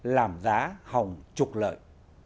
làm giá hồng trục lợi